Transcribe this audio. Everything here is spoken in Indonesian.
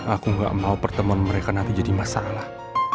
aku gak mau pertemuan mereka nanti jadi masalah